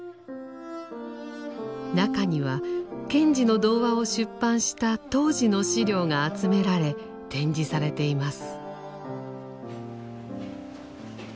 中には賢治の童話を出版した当時の資料が集められ展示されています。